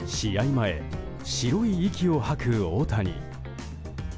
前、白い息を吐く大谷。